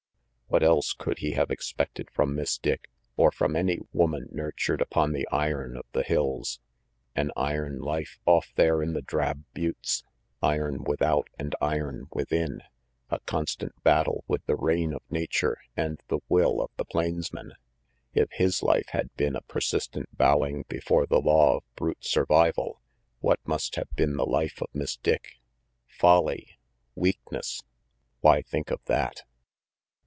What else could he have expected from Miss Dick, or from any woman nurtured upon the iron of the hills? An iron life off there in the drab buttes, iron without and iron within a constant battle with the reign of nature and the will of the plainsmen! If his life had been a persistent bowing before the law of brute survival, what must have been the life of Miss Dick? Folly! Weakness! Why think of that?